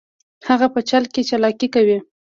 هغه په چل کې چلاکي کوي